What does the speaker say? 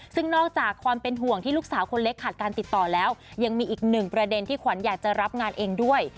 ซึ่งนอกจากความเป็นห่วงที่ลูกสาวคนเล็กขาดการติดต่อแล้วยังมีอีกหนึ่งประเด็นที่ขวัญอยากจะรับงานเองด้วย